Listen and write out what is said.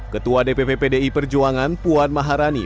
ketua dpp pdi perjuangan puan maharani